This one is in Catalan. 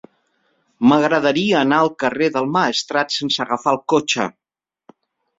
M'agradaria anar al carrer del Maestrat sense agafar el cotxe.